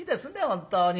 本当に。